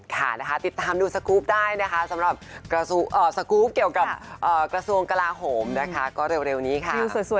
จิตอาสาพัฒนาค่ะ